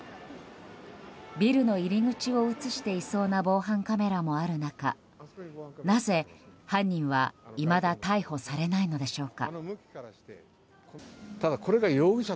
ビルの入り口を映していそうな防犯カメラもある中なぜ犯人は、いまだ逮捕されないのでしょうか。